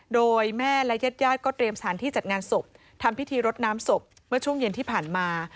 โดยแม่และญาติญาติก็เตรียมสถานที่จัดงานศพทำพิธีรดน้ำศพเมื่อช่วงเย็นที่ผ่านมา